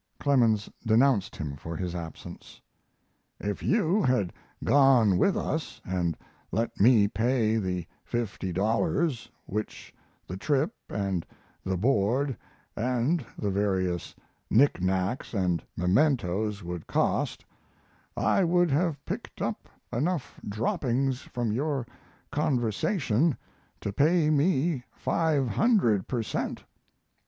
Clemens denounced him for his absence: If you had gone with us and let me pay the fifty dollars, which the trip and the board and the various knick knacks and mementos would cost, I would have picked up enough droppings from your conversation to pay me five hundred per cent.